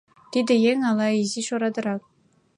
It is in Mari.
«Тиде еҥ ала изиш орадырак.